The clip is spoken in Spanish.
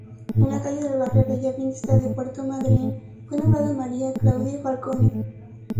Una calle del barrio Bella Vista, de Puerto Madryn fue nombrada María Claudia Falcone.